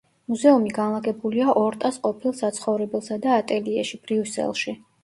მუზეუმი განლაგებულია ორტას ყოფილ საცხოვრებელსა და ატელიეში, ბრიუსელში.